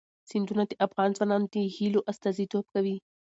سیندونه د افغان ځوانانو د هیلو استازیتوب کوي.